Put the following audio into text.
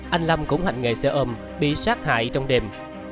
anh lâm cũng hành nghề xe ôm bị sát hại trong đêm